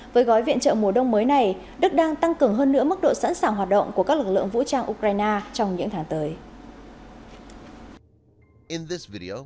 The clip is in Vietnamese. với gói viện trợ mùa đông mới này đức đang tăng cường hơn nữa mức độ sẵn sàng hoạt động của các lực lượng vũ trang ukraine trong những tháng tới